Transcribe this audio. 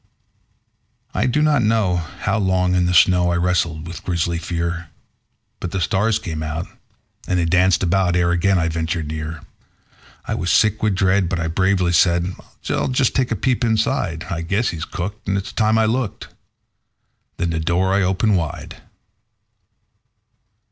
I do not know how long in the snow I wrestled with grisly fear; But the stars came out and they danced about ere again I ventured near; I was sick with dread, but I bravely said: "I'll just take a peep inside. I guess he's cooked, and it's time I looked";. .. then the door I opened wide.